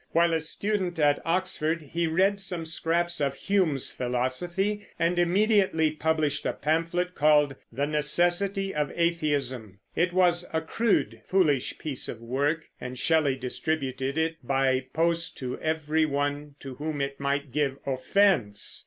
While a student at Oxford he read some scraps of Hume's philosophy, and immediately published a pamphlet called "The Necessity of Atheism." It was a crude, foolish piece of work, and Shelley distributed it by post to every one to whom it might give offense.